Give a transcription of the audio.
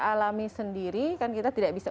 alami sendiri kan kita tidak bisa